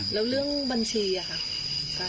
แล้วเรื่องบัญชีอะคะ